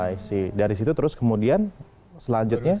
i see dari situ terus kemudian selanjutnya